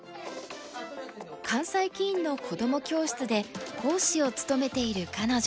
関西棋院のこども教室で講師を務めている彼女。